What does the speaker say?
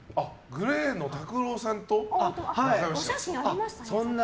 ＧＬＡＹのＴＡＫＵＲＯさんと仲良しだと。